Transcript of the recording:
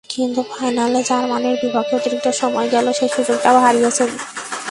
কিন্তু ফাইনালে জার্মানির বিপক্ষে অতিরিক্ত সময়ের গোলে সেই সুযোগটাও হারিয়েছেন তিনি।